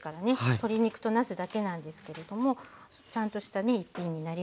鶏肉となすだけなんですけれどもちゃんとしたね一品になりますよね。